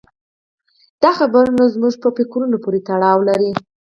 دا خبره نو زموږ په افکارو پورې تړاو لري.